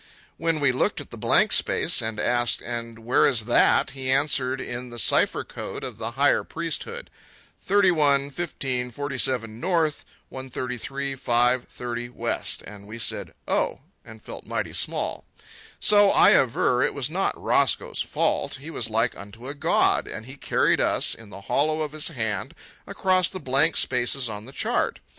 When we looked at the blank space and asked, "And where is that?" he answered in the cipher code of the higher priesthood, "31 15 47 north, 133 5 30 west." And we said "Oh," and felt mighty small. So I aver, it was not Roscoe's fault. He was like unto a god, and he carried us in the hollow of his hand across the blank spaces on the chart.